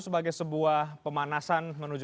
sebagai sebuah pemanasan menuju